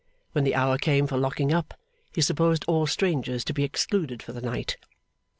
When the hour came for locking up, he supposed all strangers to be excluded for the night.